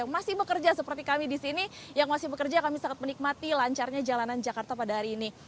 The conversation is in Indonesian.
masih bekerja seperti kami di sini yang masih bekerja kami sangat menikmati lancarnya jalanan jakarta pada hari ini